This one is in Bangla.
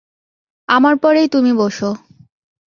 আমার পরেই তুমি বসো।